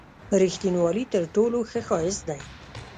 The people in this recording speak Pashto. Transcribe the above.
رېښتینوالي تر ټولو ښه سیاست دی.